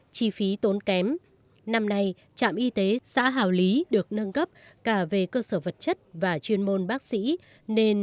chi phí tốn kém năm nay trạm y tế xã hào lý được nâng cấp cả về cơ sở vật chất và chuyên môn bác sĩ nên